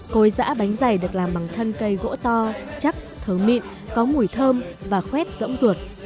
cối giã bánh dày được làm bằng thân cây gỗ to chắc thớ mịn có mùi thơm và khuét rỗng ruột